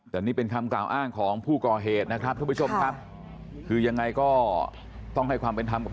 แต่นี่เป็นคำกล่าวอ้างของผู้ก่อเหตุนะครับ